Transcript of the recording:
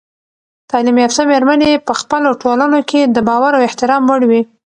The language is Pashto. تعلیم یافته میرمنې په خپلو ټولنو کې د باور او احترام وړ وي.